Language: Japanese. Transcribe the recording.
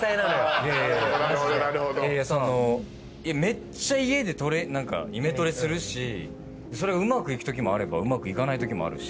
めっちゃ家でイメトレするしそれがうまくいくときもあればうまくいかないときもあるし。